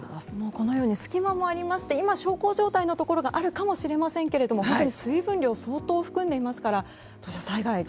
このように隙間もありまして今、小康状態のところがあるかもしれませんけど水分量、相当含んでいますから土砂災害に。